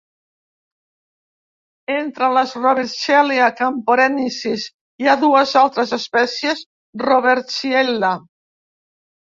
Entre les "Robertsiella kaporenisis" hi ha dues altres espècies "Roberstiella".